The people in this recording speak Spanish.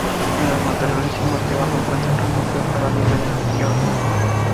En los matorrales y monte bajo encuentran refugio a la liebre del piornal.